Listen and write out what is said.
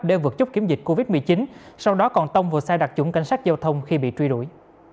để vượt chốc kiểm dịch covid một mươi chín sau đó còn tông vô xe đặc trụng cảnh sát giao thông khi bị truy đuổi